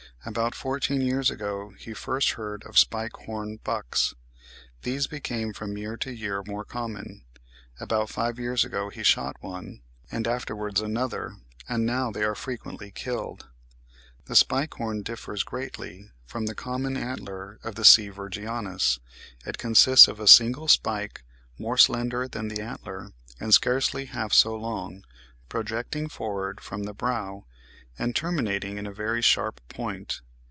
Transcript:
About fourteen years ago he first heard of SPIKE HORN BUCKS. These became from year to year more common; about five years ago he shot one, and afterwards another, and now they are frequently killed. "The spike horn differs greatly from the common antler of the C. virginianus. It consists of a single spike, more slender than the antler, and scarcely half so long, projecting forward from the brow, and terminating in a very sharp point.